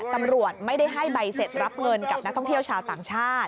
ตำรวจไม่ได้ให้ใบเสร็จรับเงินกับนักท่องเที่ยวชาวต่างชาติ